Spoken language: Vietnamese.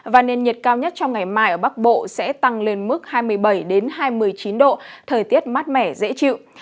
và nền nhiệt cao nhất trong ngày mai ở bắc bộ sẽ tăng lên mức hai mươi bảy hai mươi chín độ thời tiết mát mẻ dễ chịu